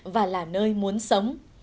và là nơi muốn sống